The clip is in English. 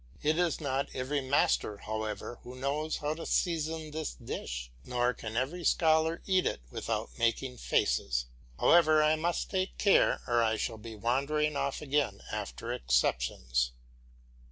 It is not every master, however, who knows how to season this dish, nor can every scholar eat it without making faces. However, I must take care or I shall be wandering off again after exceptions.